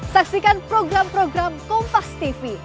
saksikan program program kompas tv